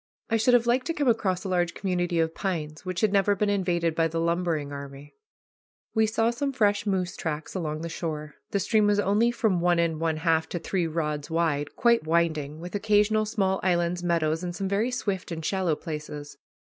I should have liked to come across a large community of pines which had never been invaded by the lumbering army. [Illustration: The Red Squirrel] We saw some fresh moose tracks along the shore. The stream was only from one and one half to three rods wide, quite winding, with occasional small islands, meadows, and some very swift and shallow places.